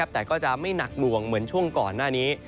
แต่ก็จะไม่หนักหน่วงเหมือนช่วงก่อนหน้านี้